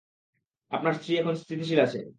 আপনার স্ত্রী এখন স্থিতিশীল আছে।